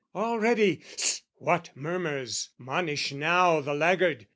Already hist what murmurs 'monish now The laggard?